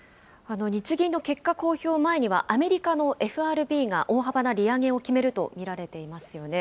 日銀の結果公表前には、アメリカのＦＲＢが大幅な利上げを決めると見られていますよね。